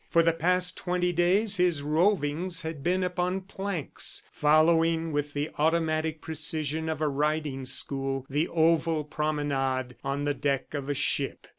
For the past twenty days his rovings had been upon planks, following with the automatic precision of a riding school the oval promenade on the deck of a ship.